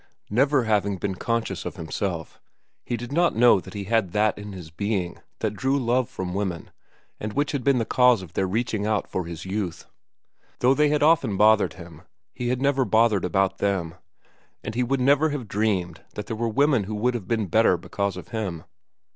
Never having been conscious of himself, he did not know that he had that in his being that drew love from women and which had been the cause of their reaching out for his youth. Though they had often bothered him, he had never bothered about them; and he would never have dreamed that there were women who had been better because of him.